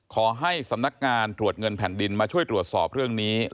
ขอให้สำนักงานตรวจเงินแผ่นดินมาช่วยตรวจสอบเรื่องนี้